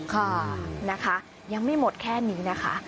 ค่ะนะคะยังไม่หมดแค่นี้นะคะ